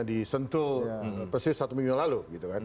disentuh persis satu minggu lalu